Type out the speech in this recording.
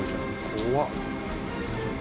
怖っ！